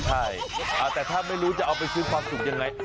ใช่แต่ถ้าไม่รู้จะเอาไปซื้อความสุขยังไง